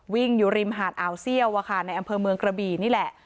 วิ่งอยู่ริมหาดอ่าวเซี่ยวในอำเภอเมืองกระบี่นี่แหละ